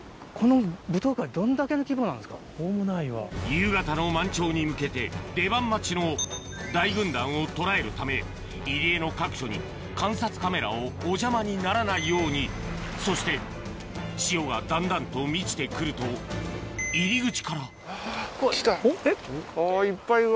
夕方の満潮に向けて出番待ちの大軍団を捉えるため入り江の各所に観察カメラをお邪魔にならないようにそして潮がだんだんと満ちて来るとえっ入ってます？